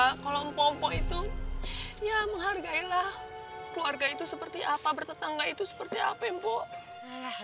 kalau mpo mpo itu ya menghargailah keluarga itu seperti apa bertetangga itu seperti apa mpo